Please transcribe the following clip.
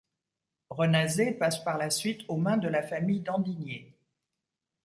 Renazé passe par la suite aux mains de la famille d'Andigné.